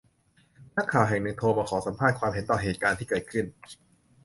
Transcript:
นักข่าวแห่งหนึ่งโทรมาขอสัมภาษณ์ความเห็นต่อเหตุการณ์ที่เกิดขึ้น